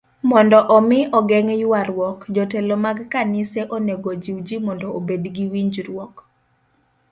Mondo omi ogeng' ywaruok, jotelo mag kanise onego ojiw ji mondo obed gi winjruok.